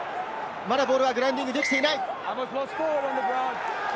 まだボールはグラウンディングできていない。